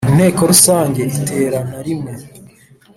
Inteko Rusange Iterana Rimwe